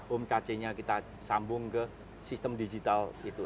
home charging nya kita sambung ke sistem digital itu